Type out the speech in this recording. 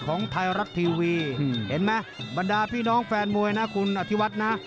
ของไทยรัฐทีวีเห็นไหมบรรดาพี่น้องแฟนมวยนะคุณอธิวัฒน์นะ